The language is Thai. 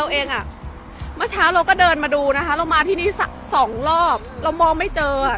เราก็เดินมาดูนะฮะเรามาที่นี่สองรอบเรามองไม่เจออ่ะ